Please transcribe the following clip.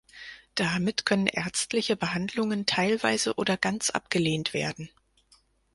Damit können ärztliche Behandlungen teilweise oder ganz abgelehnt werden.